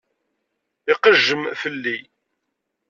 Iqejjem fell-i.